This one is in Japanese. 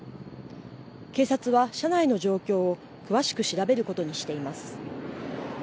警察は車内の状況を詳しく調べることにしています。